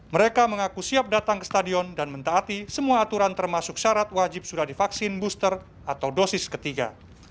mereka mengaku siap datang ke stadion dan mentaati semua aturan termasuk syarat wajib sudah divaksin booster atau dosis ketiga